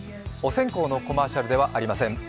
お線香のコマーシャルではありません。